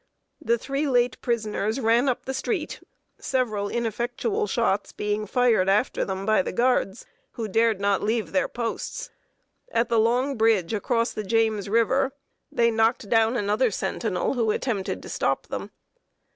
The three late prisoners ran up the street, several ineffectual shots being fired after them by the guards, who dared not leave their posts. At the long bridge across the James River they knocked down another sentinel, who attempted to stop them.